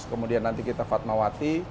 kemudian nanti kita fatmawati